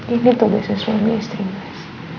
ini tuh bisnis suami istri guys